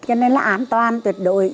cho nên là an toàn tuyệt đội